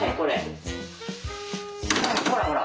ほらほら。